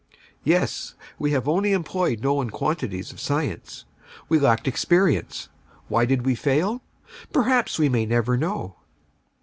Yes, we have only employed known quantities of science. We lacked experience. Why did we fail? Perhaps we may never know."